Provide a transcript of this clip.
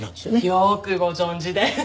よくご存じで。